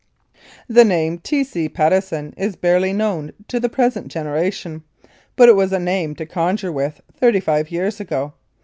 The name T. C. Patteson is barely known to the present generation, but it was a name to conjure with thirty five years ago.